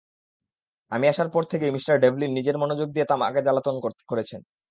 আমি আসার পর থেকেই মিঃ ডেভলিন নিজের মনোযোগ দিয়ে আমাকে জ্বালাতন করেছেন।